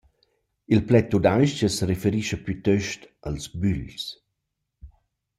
Il pled tudais-ch as referischa plütost als bügls.